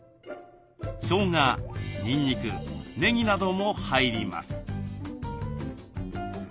しょうがにんにくねぎなども入ります。